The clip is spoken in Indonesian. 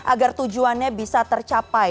agar tujuannya bisa tercapai